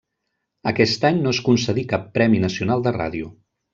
Aquest any no es concedí cap premi nacional de ràdio.